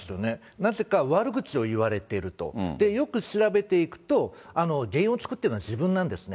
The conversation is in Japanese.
なぜか悪口を言われていると、よく調べていくと、原因を作ってるのは自分なんですね。